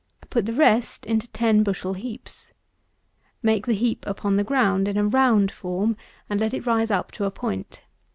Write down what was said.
Put the rest into ten bushel heaps. Make the heap upon the ground in a round form, and let it rise up to a point.